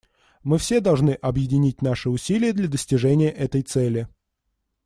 Мы все должны объединить наши усилия для достижения этой цели.